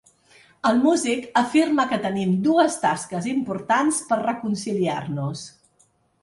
El músic afirma que tenim dues tasques importants per reconciliar-nos.